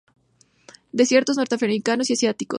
Desiertos norteafricanos y asiáticos.